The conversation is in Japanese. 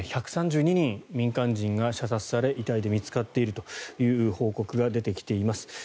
１３２人の民間人が射殺され遺体で見つかっているという報告が出てきています。